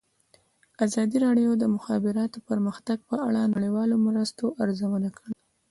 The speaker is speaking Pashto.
ازادي راډیو د د مخابراتو پرمختګ په اړه د نړیوالو مرستو ارزونه کړې.